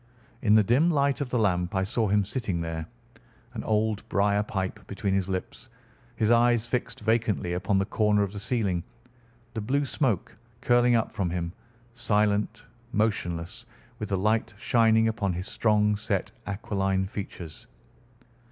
In the dim light of the lamp I saw him sitting there, an old briar pipe between his lips, his eyes fixed vacantly upon the corner of the ceiling, the blue smoke curling up from him, silent, motionless, with the light shining upon his strong set aquiline features.